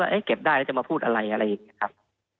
ว่าเก็บได้แล้วจะมาพูดอะไรอะไรอีกครับ